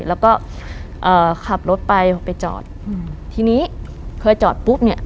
แล้วก็เอ่อขับรถไปไปจอดอืมทีนี้เคยจอดปุ๊บเนี่ย